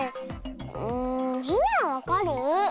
うんみんなはわかる？